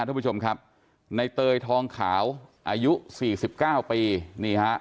ท่านผู้ชมครับในเตยทองขาวอายุสี่สิบเก้าปีนี่ฮะ